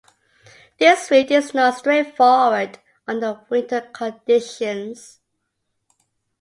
This route is not straightforward under winter conditions.